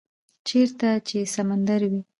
- چیرته چې سمندر وی،